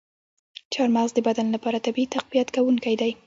چارمغز د بدن لپاره طبیعي تقویت کوونکی دی.